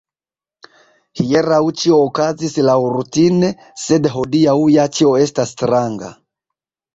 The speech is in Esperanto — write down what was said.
Hieraŭ ĉio okazis laŭrutine, sed hodiaŭ ja ĉio estas stranga!